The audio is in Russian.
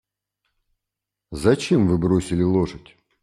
Зачем Вы бросили лошадь?